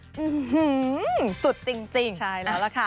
อื้อหือสุดจริงใช่แล้วล่ะค่ะ